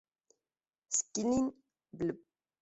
Skyline Blvd.